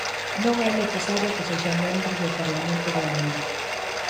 Non é necesario que sexan membros do Parlamento Balear.